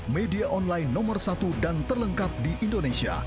media online nomor satu dan terlengkap di indonesia